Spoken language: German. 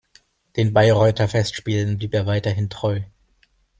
Den Bayreuther Festspielen blieb er weiterhin treu.